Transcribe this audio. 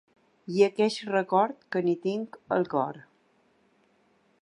I aqueix record que n’hi tinc al cor.